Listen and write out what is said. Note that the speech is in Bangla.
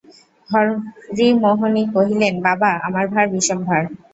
হরিমোহিনী কহিলেন, বাবা, আমার ভার বিষম ভার।